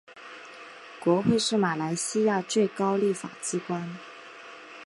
国会是马来西亚最高立法机关。